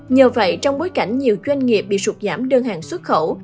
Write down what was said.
nhờ vậy trong bối cảnh nhiều doanh nghiệp bị sụt giảm đơn hàng xuất khẩu